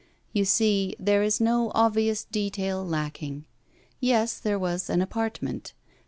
You see, there is no obvious detail lacking. Yes, there was an apartment.